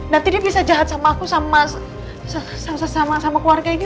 nanti dia bisa jahat sama aku sama keluarga ini